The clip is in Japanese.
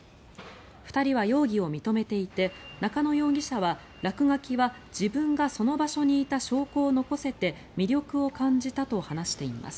２人は容疑を認めていて中野容疑者は落書きは、自分がその場所にいた証拠を残せて魅力を感じたと話しています。